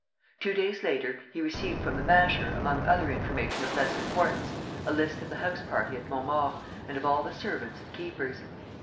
Two days later he received from the Masher, among other information of less importance, a list of the house party at Montmaur and of all the servants and keepers.